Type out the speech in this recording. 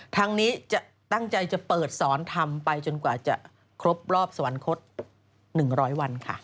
ทั้งนี้จะตั้งใจจะเปิดสอนทำไปจนกว่าจะครบรอบสวรรคต๑๐๐วันค่ะ